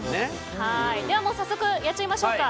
では早速やっちゃいましょうか。